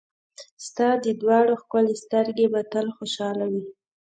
ستا دا دواړه ښکلې سترګې به تل خوشحاله وي.